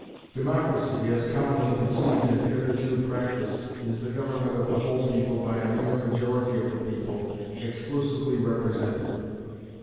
Democracy, as commonly conceived and hitherto practiced, is the government of the whole people by a mere majority of the people exclusively represented.